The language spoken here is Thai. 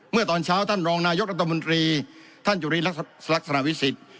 เมื่อตอนเช้าท่านรองนายกรัฐมนตรีท่านจุรีลักษณะวิสิทธิ์